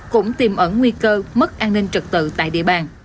cũng tiềm ẩn nguy cơ mất an ninh trật tự tại địa bàn